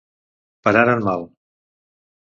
Parar en mal.